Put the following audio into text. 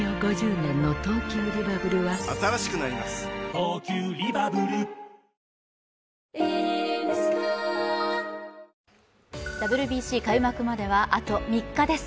東京海上日動ＷＢＣ開幕までは、あと３日です。